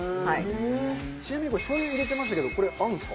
「ちなみにこれしょう油入れてましたけどこれ合うんですか？」